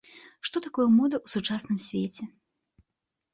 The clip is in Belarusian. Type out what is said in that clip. Што такое мода ў сучасным свеце?